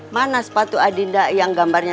mana sepatu adinda yang gambarnya